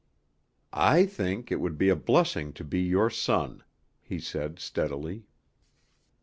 "I think it would be a blessing to be your son," he said steadily.